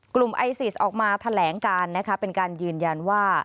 กลุ่มไอซิสออกมาแสดงเป็นการยืนยนว่า